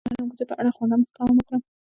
هغې د نرم کوڅه په اړه خوږه موسکا هم وکړه.